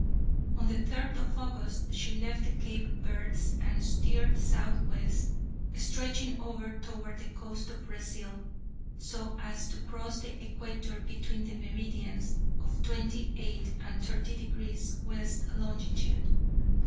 On the third of August, she left the Cape Verds and steered southwest, stretching over toward the coast of Brazil, so as to cross the equator between the meridians of twenty eight and thirty degrees west longitude.